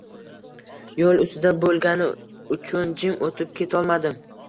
Yoʻl usti boʻlgani uchun jim oʻtib ketolmadim.